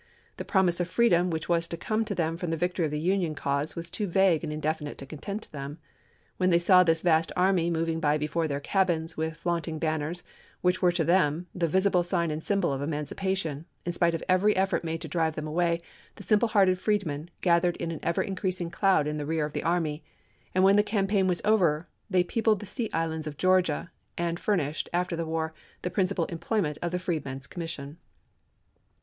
The promise of freedom which was to come to them from the victory of the Union cause was too vague and indefinite to content them. When they saw this vast army moving by before their cabins, with flaunting banners, which were to them the visible sign and symbol of emancipation, in spite of every effort made to drive them away, the simple hearted freedmen gathered in an ever increasing cloud in rear of the army ; and when the campaign was over 486 ABRAHAM LINCOLN chap. xx. they peopled the sea islands of Georgia and fur nished, after the war, the principal employment of the Freedmen's Commission.